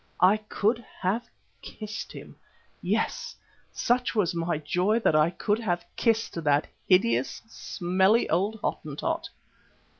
I could have kissed him. Yes, such was my joy that I could have kissed that hideous, smelly old Hottentot.